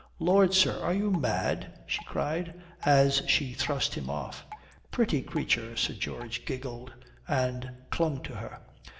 "Lord, sir, are you mad?" she cried, as she thrust him off. "Pretty creature," Sir George giggled, and clung to her.